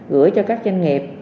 gửi cho các doanh nghiệp